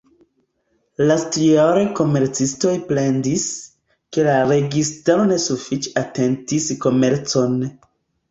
Lastjare komercistoj plendis, ke la registaro ne sufiĉe atentis komercon.